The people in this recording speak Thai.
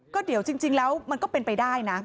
ก็เดี๋ยวจริงแล้วมันก็เป็นไปได้นะ